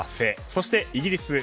そして、イギリス。